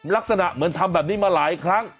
ลักษณะเหมือนทำแบบนี้มาหลายครั้ง